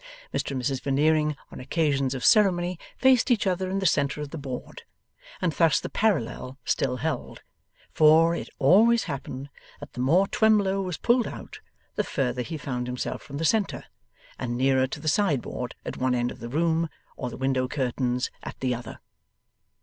Mr and Mrs Veneering on occasions of ceremony faced each other in the centre of the board, and thus the parallel still held; for, it always happened that the more Twemlow was pulled out, the further he found himself from the center, and nearer to the sideboard at one end of the room, or the window curtains at the other.